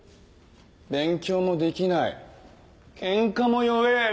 勉強もできないケンカも弱えぇ